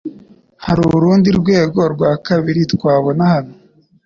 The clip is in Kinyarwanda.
hari urundi rwego rwakabiri twabona hano